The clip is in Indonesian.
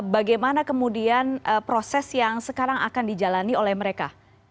bagaimana kemudian proses yang sekarang akan dijalani oleh mereka